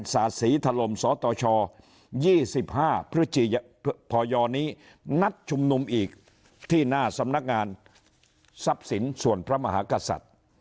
ศาสีถล่มสตช๒๕พยนี้นัดชุมนุมอีกที่หน้าสำนักงานทรัพย์สินส่วนพระมหากษัตริย์